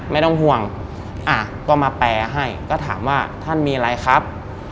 ไม่ต้องห่วงอ่ะก็มาแปลให้ก็ถามว่าท่านมีอะไรครับ